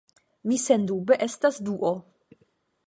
Mi sendube estas Duo!